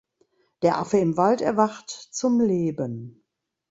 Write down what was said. Der Affe im Wald erwacht zum Leben.